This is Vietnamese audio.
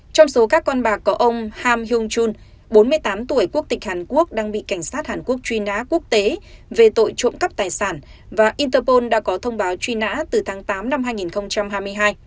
trong số các con bạc có ông ham yong chun bốn mươi tám tuổi quốc tịch hàn quốc đang bị cảnh sát hàn quốc truy nã quốc tế về tội trộm cắp tài sản và interpol đã có thông báo truy nã từ tháng tám năm hai nghìn hai mươi hai